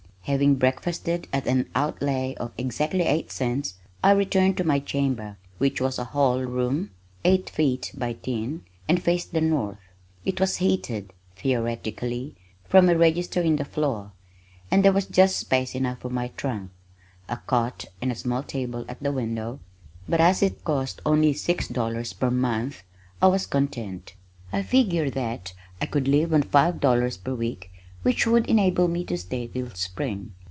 Having breakfasted at an outlay of exactly eight cents I returned to my chamber, which was a hall room, eight feet by ten, and faced the north. It was heated (theoretically) from a register in the floor, and there was just space enough for my trunk, a cot and a small table at the window but as it cost only six dollars per month I was content. I figured that I could live on five dollars per week which would enable me to stay till spring.